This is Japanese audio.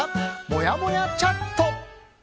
もやもやチャット。